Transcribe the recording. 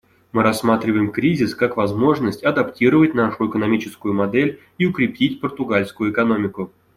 Мы рассматриваем кризис как возможность адаптировать нашу экономическую модель и укрепить португальскую экономику.